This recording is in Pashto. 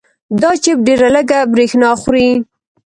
دا چپ ډېره لږه برېښنا خوري.